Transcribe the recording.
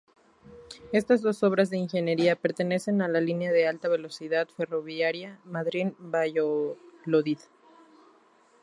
Estas dos obras de ingeniería pertenecen a la línea de alta velocidad ferroviaria Madrid-Valladolid.